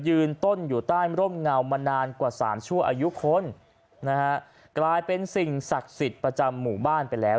ต้นอยู่ใต้ร่มเงามานานกว่าสามชั่วอายุคนนะฮะกลายเป็นสิ่งศักดิ์สิทธิ์ประจำหมู่บ้านไปแล้ว